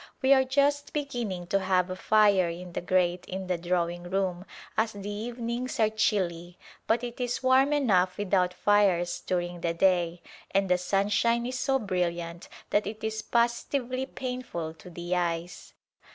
We are just beginning to have a fire in the grate in the drawing room as the evenings are chilly, but it is warm enough without fires during the day, and the sunshine is so brilliant that it is positively painful to the eyes.